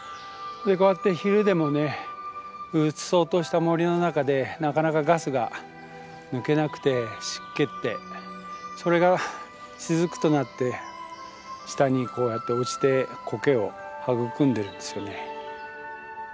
こうやって昼でもねうっそうとした森の中でなかなかガスが抜けなくてしっけってそれが滴となって下にこうやって落ちてコケを育んでるんですよね。